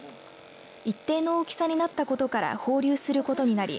一定の大きさになったことから放流することになり